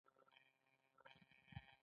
متن مې هر ځل له نظره تېراوه.